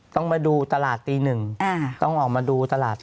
ต้องมาดูตลาดตี๑ต้องออกมาดูตลาดตั้ง